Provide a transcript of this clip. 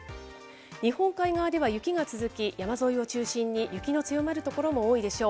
日本海側では雪が続き、山沿いを中心に雪の強まる所も多いでしょう。